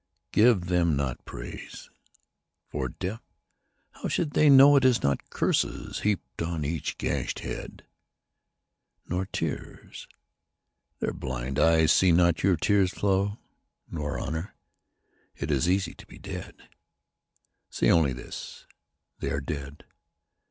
Give them not praise. For, deaf, how should they know It is not curses heaped on each gashed head ? Nor tears. Their blind eyes see not your tears flow. Nor honour. It is easy to be dead. Say only this, " They are dead."